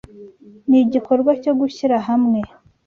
n’igikorwa cyo gushyira hamwe.